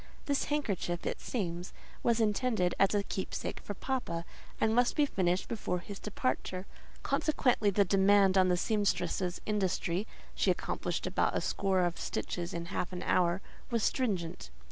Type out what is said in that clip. This handkerchief, it seems, was intended as a keepsake for "papa," and must be finished before his departure; consequently the demand on the sempstress's industry (she accomplished about a score of stitches in half an hour) was stringent.